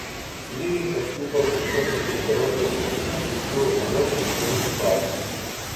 Левин пощупал, ушел за перегородку, потушил свечу, но долго еще не спал.